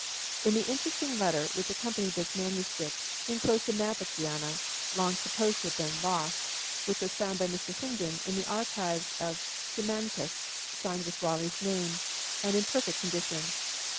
In the interesting letter which accompanied this manuscript he inclosed a map of Guiana, long supposed to have been lost, which was found by Mr. St. John in the archives of Simancas, signed with Raleigh's name, and in perfect condition.